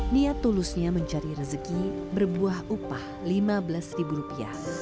niat tulusnya mencari rezeki berbuah upah lima belas ribu rupiah